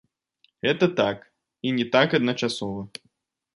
Гэта так, і не так адначасова.